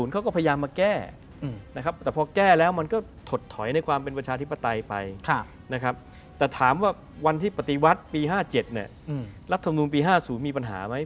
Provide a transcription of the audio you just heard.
ปี๕๐เขาก็พยายามมาแก้นะครับแต่พอแก้แล้วมันก็ถดถอยในความเป็นประชาธิปไตยไปนะครับแต่ถามว่าวันที่ปฏิวัติปี๕๗เนี่ยรัฐธรรมดุมปี๕๐มีปัญหาไหม